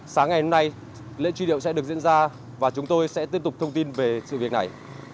sáng ngày hôm nay lễ truy điệu sẽ được diễn ra và chúng tôi sẽ tiếp tục thông tin về sự việc này